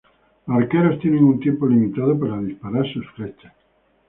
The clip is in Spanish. Los arqueros tienen un tiempo limitado para disparar sus flechas.